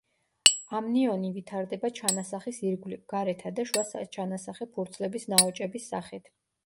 ამნიონი ვითარდება ჩანასახის ირგვლივ, გარეთა და შუა საჩანასახე ფურცლების ნაოჭების სახით.